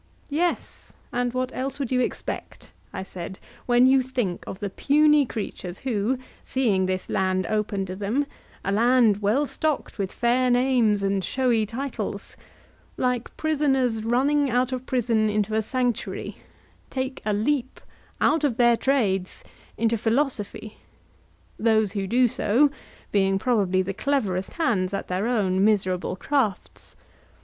Yes; and what else would you expect, I said, when you think of the puny creatures who, seeing this land open to them—a land well stocked with fair names and showy titles—like prisoners running out of prison into a sanctuary, take a leap out of their trades into philosophy; those who do so being probably the cleverest hands at their own miserable crafts?